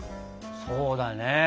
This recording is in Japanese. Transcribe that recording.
そうだね。